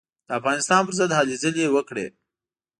د افغانستان پر ضد هلې ځلې وکړې.